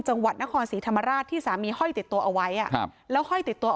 จังหวัดนครศรีธรรมราชที่สามีห้อยติดตัวเอาไว้อ่ะครับแล้วห้อยติดตัว